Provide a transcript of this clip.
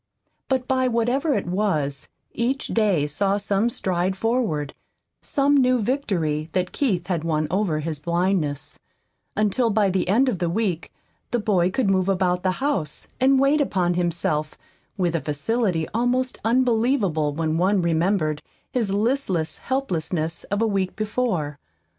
But by whatever it was, each day saw some stride forward, some new victory that Keith had won over his blindness, until by the end of the week the boy could move about the house and wait upon himself with a facility almost unbelievable when one remembered his listless helplessness of a week before.